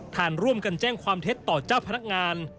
ฐานร่วมกันแจ้งความเท็จต่อเจ้าพนักงาน